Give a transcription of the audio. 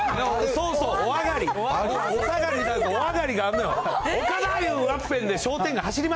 そうそう、おあがり。